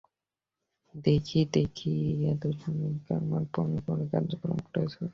দেখো দেখি, এখন সতীশ কেমন পরিশ্রম করে কাজকর্ম করছে।